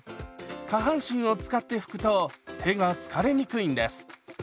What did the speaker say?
下半身を使って拭くと手が疲れにくいんです。